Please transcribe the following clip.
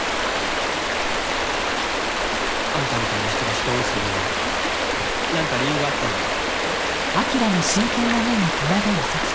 あんたみたいな人が人を撃つのにはなんか理由があったんだろ？